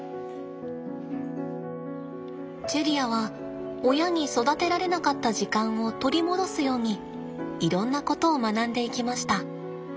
チェリアは親に育てられなかった時間を取り戻すようにいろんなことを学んでいきました。